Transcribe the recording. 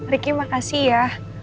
ricky makasih ya